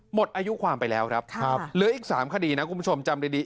หมดอายุความไปแล้วครับเหลืออีก๓คดีนะคุณผู้ชมจำดี